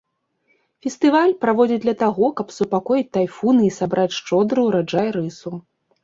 Фестываль праводзяць для таго, каб супакоіць тайфуны і сабраць шчодры ўраджай рысу.